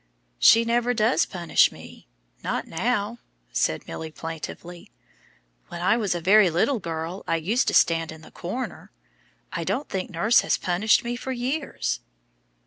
"She never does punish me not now," said Milly plaintively. "When I was a very little girl I used to stand in the corner. I don't think nurse has punished me for years."